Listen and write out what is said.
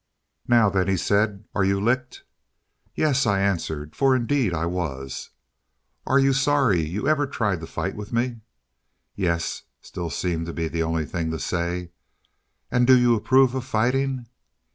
"Now then," he said, "are you licked?" "Yes," I answered; for indeed I was. "Are you sorry you ever tried to fight with me?" "Yes," still seemed to be the only thing to say. "And do you approve of fighting?"